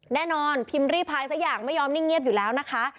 แน่นอนพิมพ์รีพายสักอย่างไม่ยอมนิ่งเงียบอยู่แล้วนะคะ